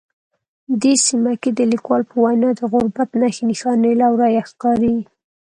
دې سیمه کې د لیکوال په وینا د غربت نښې نښانې له ورایه ښکاري